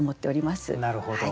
なるほど。